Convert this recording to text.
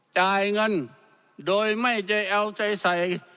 จ่ายเงินโดยไม่ได้เอาใจใส่